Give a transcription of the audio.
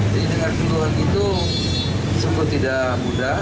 jadi dengan kebutuhan itu sempat tidak muncul